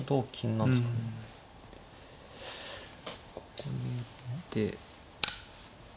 ここに打って。